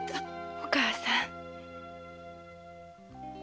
お母さん。